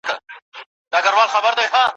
تړون لاسلیکولو ته مجبور کړ.